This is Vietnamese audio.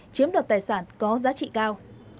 chiếm đoạt tài sản có giá trị cao